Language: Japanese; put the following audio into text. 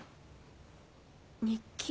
日記？